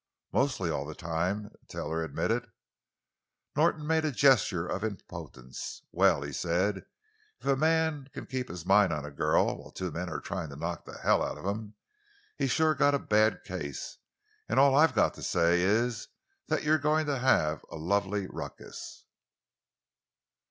"Mostly all the time," Taylor admitted. Norton made a gesture of impotence. "Well," he said, "if a man can keep his mind on a girl while two men are trying to knock hell out of him, he's sure got a bad case. And all I've got to say is that you're going to have a lovely ruckus!"